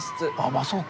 まあそうか。